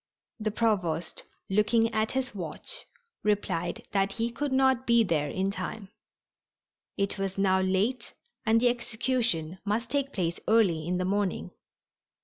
The Provost, looking at his watch, replied that he could not be there in time. It was now late and the execution must take place early in the morning.